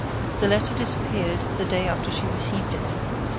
The letter disappeared the day after she received it.